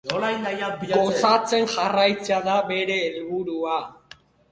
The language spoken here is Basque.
Gozatzen jarraitzea da bere helburua.